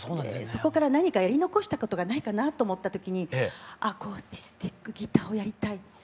そこから何かやり残したことがないかなと思ったときにアコースティックギターをやりたい。